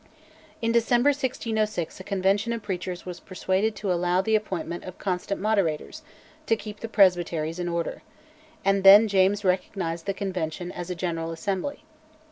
In December 1606 a convention of preachers was persuaded to allow the appointment of "constant Moderators" to keep the presbyteries in order; and then James recognised the convention as a General Assembly.